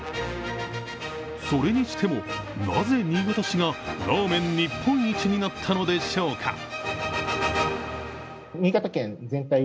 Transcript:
それにしても、なぜ新潟市がラーメン日本一になったのでしょうか。